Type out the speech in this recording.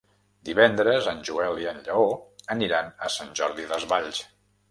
Divendres en Joel i en Lleó aniran a Sant Jordi Desvalls.